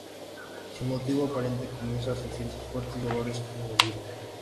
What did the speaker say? Sin motivo aparente, comienza a sentir fuertes dolores en el vientre.